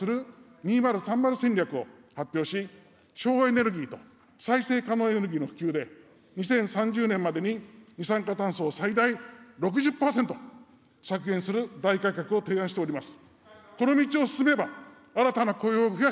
２０３０戦略を発表し、省エネルギーと再生可能エネルギーの普及で２０３０年までに二酸化炭素を６０％削減する大改革を進めています。